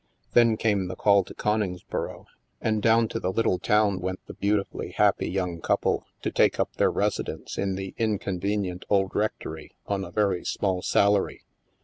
Then came the call to Coningsboro, and down to the little town went the beatifically happy young couple, to take up their residence in the inconvenient old rectory, on a very small salary.